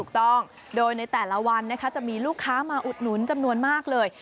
ถูกต้องโดยในแต่ละวันนะคะจะมีลูกค้ามาอุดหนุนจำนวนมากเลย